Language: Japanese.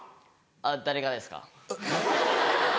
誰がですか？